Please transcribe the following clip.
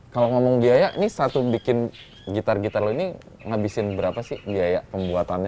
kalau ngomong biaya ini satu bikin gitar gitar lo ini ngabisin berapa sih biaya pembuatannya